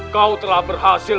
kau telah berhasil